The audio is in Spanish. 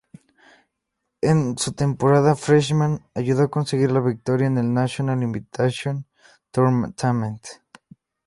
En su temporada "freshman" ayudó a conseguir la victoria en el National Invitation Tournament.